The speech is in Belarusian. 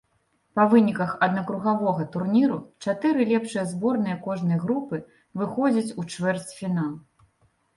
Па выніках аднакругавога турніру чатыры лепшыя зборныя кожнай групы выходзяць у чвэрцьфінал.